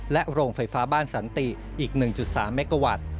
โรงไฟฟ้าบ้านสันติอีก๑๓เมกาวัตต์